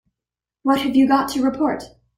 What have you got to report?